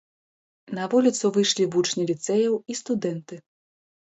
На вуліцу выйшлі вучні ліцэяў і студэнты.